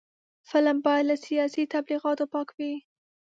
فلم باید له سیاسي تبلیغاتو پاک وي